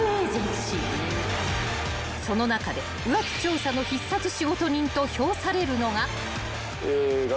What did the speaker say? ［その中で浮気調査の必殺仕事人と評されるのが］